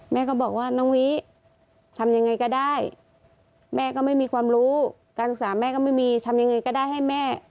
แม่ก็บอกว่าน้องวิทำยังไงก็ได้แม่ก็ไม่มีความรู้การศึกษาแม่ก็ไม่มีทำยังไงก็ได้ให้แม่